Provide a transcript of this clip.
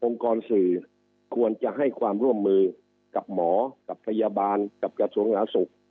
กรสื่อควรจะให้ความร่วมมือกับหมอกับพยาบาลกับกระทรวงสาธารณสุข